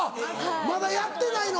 まだやってないの？